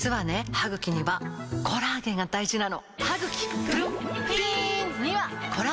歯ぐきにはコラーゲンが大事なの！